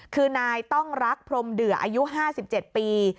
คือนายต้องรักพรมเดืออายุ๕๗ปี